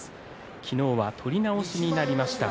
昨日は取り直しになりました。